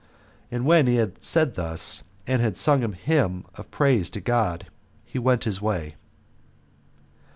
And when he had said thus, and had sung a hymn of praise to God, he went his way.